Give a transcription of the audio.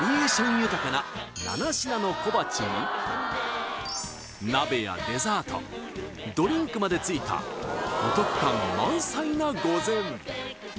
豊かな７品の小鉢に鍋やデザートドリンクまで付いたお得感満載な御膳！